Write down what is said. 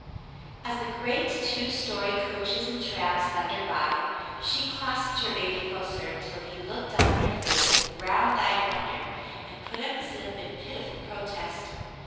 As the great two story coaches and trams thundered by, she clasped her baby closer, until he looked up in her face with round eyed wonder and put up his lip in pitiful protest.